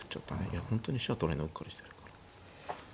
いや本当に飛車取られるのうっかりしてたから。